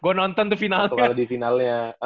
gue nonton tuh finalnya kalau di finalnya